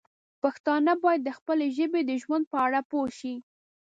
پښتانه باید د خپلې ژبې د ژوند په اړه پوه شي.